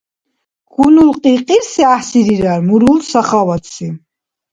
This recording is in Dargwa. Хьунул кьиркьирси гӀяхӀси рирар, мурул — сахаватси.